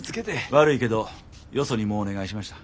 悪いけどよそにもうお願いしました。